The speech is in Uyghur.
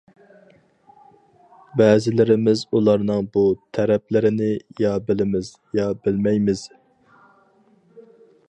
بەزىلىرىمىز ئۇلارنىڭ بۇ تەرەپلىرىنى يا بىلىمىز، يا بىلمەيمىز.